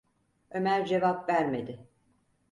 Ömer cevap vermedi.